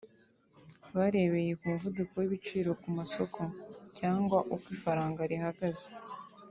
barebeye ku muvuduko w’ibiciro ku masoko cyangwa uko ifaranga rihagaze